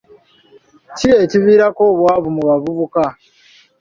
Ki ekiviirako obwavu mu bavubuka?